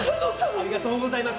ありがとうございます。